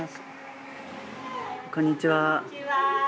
こんにちは。